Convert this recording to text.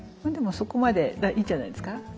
でもそこまでいいんじゃないですか。